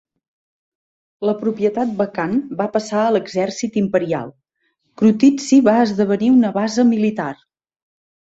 La propietat vacant va passar a l'exèrcit imperial; Krutitsy va esdevenir una base militar.